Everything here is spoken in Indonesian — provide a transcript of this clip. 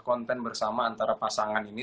konten bersama antara pasangan ini